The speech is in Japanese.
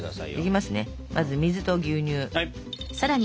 まず水と牛乳。